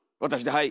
はい。